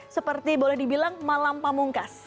seperti boleh dibilang malam pamungkas